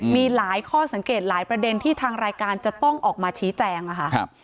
มีหลายข้อสังเกตหลายประเด็นที่ทางรายการจะต้องออกมาชี้แจงค่ะ